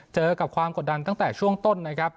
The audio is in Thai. เจอกับความกดดันตั้งแต่ช่วงต้นนะครับ